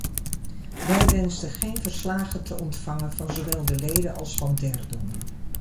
Wij wensten geen verslagen te ontvangen van zowel de leden als van derden.